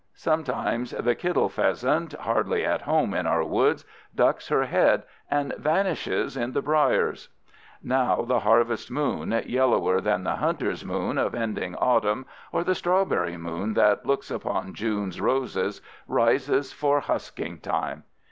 Sometimes the kittle pheasant, hardly at home in our woods, ducks her head and vanishes in the briers. Now the harvest moon, yellower than the hunter's moon of ending autumn or the strawberry moon that looks upon June's roses, rises for husking time.